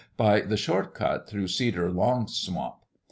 by the short cut through Cedar Long Swamp.